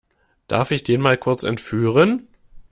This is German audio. Darf ich den mal kurz entführen?